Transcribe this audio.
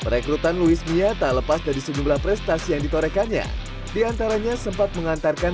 rekrutan luis mia tak lepas dari sejumlah prestasi yang ditorekannya diantaranya sempat mengantarkan